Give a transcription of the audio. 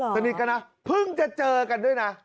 สนิทกันนะเพิ่งจะเจอกันด้วยนะ